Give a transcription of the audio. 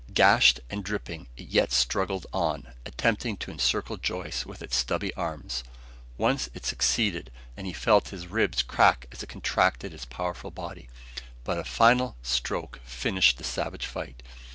Gashed and dripping, it yet struggled on, attempting to encircle Joyce with its stubby arms. Once it succeeded, and he felt his ribs crack as it contracted its powerful body. But a final stroke finished the savage fight.